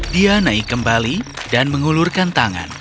dia naik kembali dan mengulurkan tangan